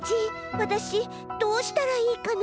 わたしどうしたらいいかな？